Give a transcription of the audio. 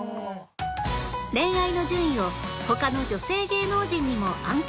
恋愛の順位を他の女性芸能人にもアンケート調査